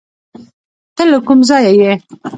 ته له کوم ځایه یې؟